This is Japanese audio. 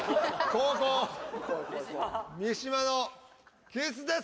後攻三島のキスです。